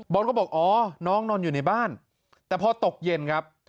อนก็บอกอ๋อน้องนอนอยู่ในบ้านแต่พอตกเย็นครับ